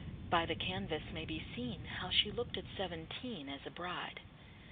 By the canvas may be seenHow she look'd at seventeen, As a bride.